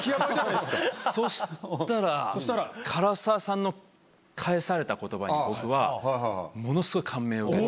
そしたら唐沢さんの返された言葉に僕はものスゴい。